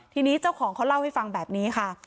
ทีนี้เจ้าของเขาเล่าให้ฟังแบบนี้ค่ะ